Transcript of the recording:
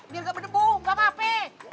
biar gak berdebu nggak apa apa